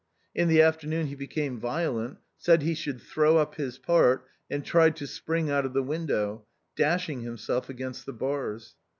In the afternoon he became violent, said he should " throw up his part," and tried to spring out of window, dashing himself against the bars.